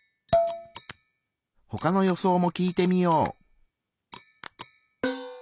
ほかの予想も聞いてみよう。